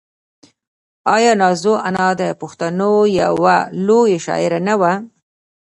آیا نازو انا د پښتنو یوه لویه شاعره نه وه؟